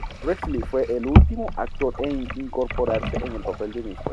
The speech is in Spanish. Rex Lee fue el último actor en incorporarse, en el papel de Mr.